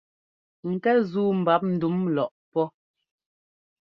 Ŋkɛ́ zúu mbap ndúm lɔʼpɔ́.